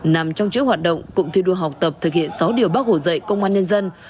nằm trong chữ hoạt động cụng thi đua học tập thực hiện sáu điều bác hồ dạy công an nhân dân